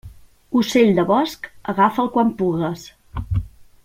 Ocell de bosc, agafa'l quan pugues.